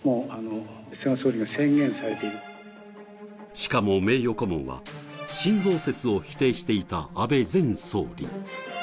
しかも、名誉顧問は新増設を否定していた安倍前総理。